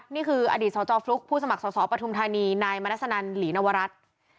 นี่คืออดีตสธฟลุ๊กผู้สมัครสธปทุมธานีนมนหลีนวรัฐ